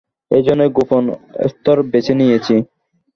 এজন্যই, গোপন স্তর বেছে নিয়েছি।